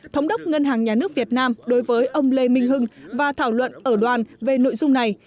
thống đốc ngân hàng nhà nước việt nam đối với ông lê minh hưng và thảo luận ở đoàn về nội dung này